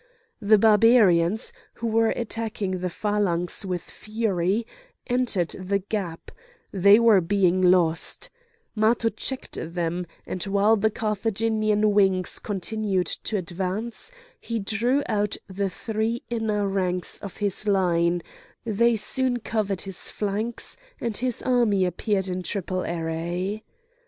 The Barbarians, who were attacking the phalanx with fury, entered the gap; they were being lost; Matho checked them,—and while the Carthaginian wings continued to advance, he drew out the three inner ranks of his line; they soon covered his flanks, and his army appeared in triple array.